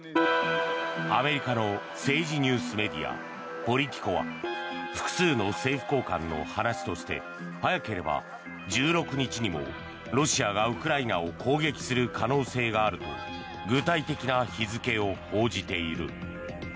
アメリカの政治ニュースメディアポリティコは複数の政府高官の話として早ければ１６日にもロシアがウクライナを攻撃する可能性があると具体的な日付を報じている。